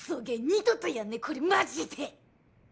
二度とやんねえこれマジで。